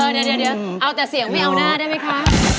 เดี๋ยวเอาแต่เสียงไม่เอาหน้าได้ไหมคะ